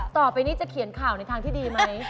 ต่อไปนี้จะเขียนข่าวในทางที่ดีไหม